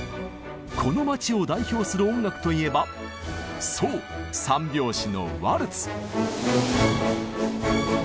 この街を代表する音楽といえばそう３拍子のワルツ！